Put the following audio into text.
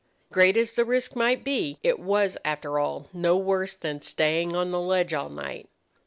Great as the risk might be, it was, after all, no worse than staying on the ledge all night.